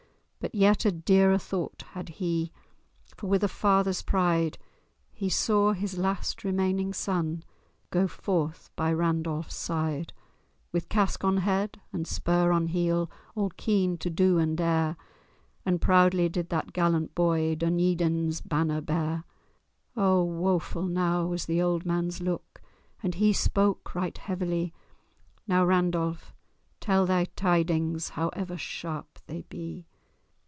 But yet a dearer thought had he;— For, with a father's pride, He saw his last remaining son Go forth by Randolph's side, With casque on head and spur on heel, All keen to do and dare; And proudly did that gallant boy Dunedin's banner bear. Oh! woeful now was the old man's look, And he spake right heavily— "Now, Randolph, tell thy tidings, However sharp they be!